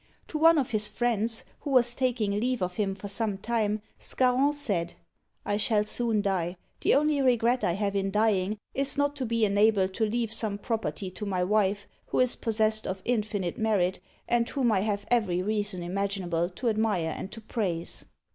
To one of his friends, who was taking leave of him for some time, Scarron said, "I shall soon die; the only regret I have in dying is not to be enabled to leave some property to my wife, who is possessed of infinite merit, and whom I have every reason imaginable to admire and to praise."